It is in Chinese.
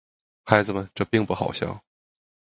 孩子们，这并不好笑。